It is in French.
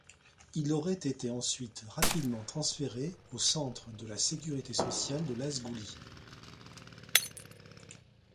Il aurait été ensuite rapidement transféré au centre de la Sécurité nationale de Lazghouli.